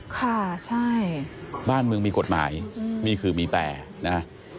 ค่ะใช่บ้านเมืองมีกฎหมายนี่คือมีแปรนะ